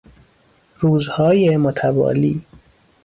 روزهای متوالی